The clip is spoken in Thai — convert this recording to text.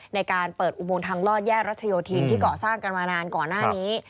ในการเปิดอุโมงทางลอดแยกรัชโยธินที่เกาะสร้างกันมานานก่อนหน้านี้